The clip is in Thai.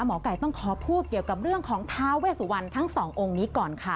หมอไก่ต้องขอพูดเกี่ยวกับเรื่องของท้าเวสุวรรณทั้งสององค์นี้ก่อนค่ะ